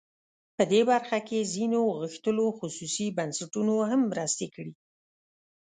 په دې برخه کې ځینو غښتلو خصوصي بنسټونو هم مرستې کړي.